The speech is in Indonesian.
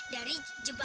dari jawa tenggara